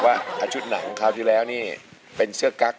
กว่าจะจบรายการเนี่ย๔ทุ่มมาก